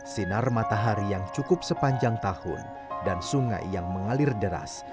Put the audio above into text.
sinar matahari yang cukup sepanjang tahun dan sungai yang mengalir deras